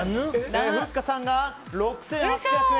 ふっかさんが６８００円。